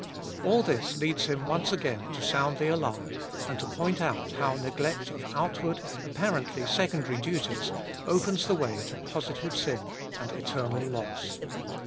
All this leads him once again to sound the alarm, and to point out how neglect of outward, apparently secondary duties, opens the way to positive sin and eternal loss.